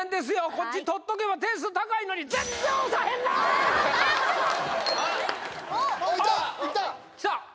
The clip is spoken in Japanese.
こっち取っとけば点数高いのに・いったきた！